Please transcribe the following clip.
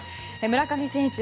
村上選手